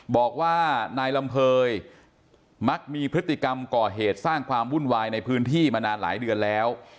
บอกว่านายลำเภยมักมีพฤติกรรมก่อเหตุสร้างความวุ่นวายในพื้นที่มานานหลายเดือนแล้ว